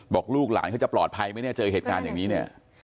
บอกลูกหลานเขาจะปลอดภัยไหมเนี่ยเจอเหตุการณ์อย่างนี้เนี่ย